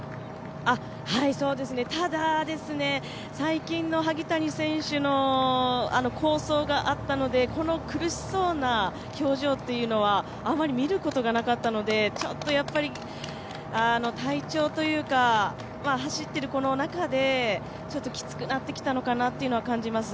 ただ、最近の萩谷選手の好走があったので、この苦しそうな表情というのはあまり見ることがなかったので、やっぱり体調というか、走っている中できつくなってきたのかなっていうのは感じます。